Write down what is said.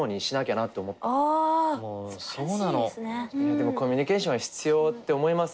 でもコミュニケーションは必要って思います。